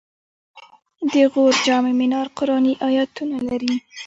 د غور جام منار قرآني آیتونه لري